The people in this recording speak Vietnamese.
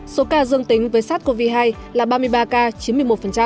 số ca dương tính với sars cov hai là ba mươi ba ca chiếm một mươi một